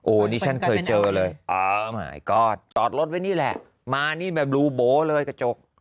โอ้นี่ฉันเคยเจอเลยอ้าวมายก็อดตอบรถไว้นี่แหละมานี่แบบลูโบ๊ะเลยกระจก